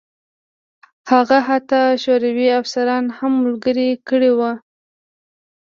هغه حتی شوروي افسران هم ملګري کړي وو